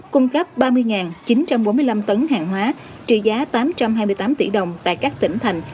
cung cấp ba mươi chín trăm bốn mươi năm tấn hàng hóa trị giá tám trăm hai mươi tám tỷ đồng tại các tỉnh thành